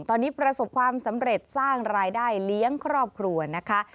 ตอนนี้ประสบความสำเร็จสร้างรายได้เลี้ยงครอบครัวนะคะ